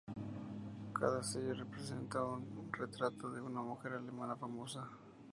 Cada sello representa un retrato de una mujer alemana famosa.